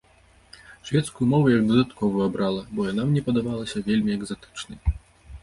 Шведскую мову як дадатковую абрала, бо яна мне падавалася вельмі экзатычнай.